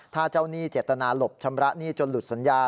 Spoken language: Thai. ถ้าเจ้าหนี้เจตนาหลบชำระหนี้จนหลุดสัญญา